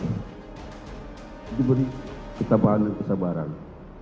ini beri kita balik kesabaran